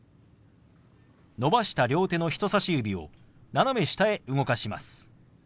伸ばした両手の人さし指を斜め下へ動かします。